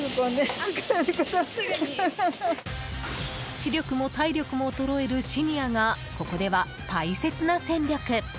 視力も体力も衰えるシニアがここでは大切な戦力。